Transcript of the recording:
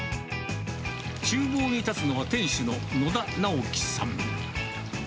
ちゅう房に立つのは店主の野田直希さん。